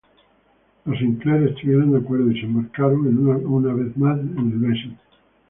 Los Sinclair estuvieron de acuerdo, y se embarcaron una vez más en el "Bessie".